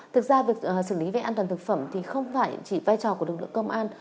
thực ra việc xử lý về an toàn thực phẩm thì không phải chỉ vai trò của lực lượng công an